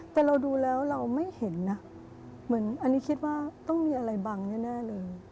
แต่เราดูแล้วเราไม่เห็นนะเหมือนอันนี้คิดว่าต้องมีอะไรบังแน่เลย